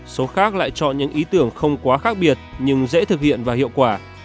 số khác lại chọn những ý tưởng không quá khác biệt nhưng dễ thực hiện và hiệu quả